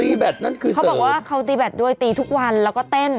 ตีแบบนั่นคือเสิร์ฟเขาบอกว่าเค้าตีแบบด้วยตีทุกวันแล้วก็เต้น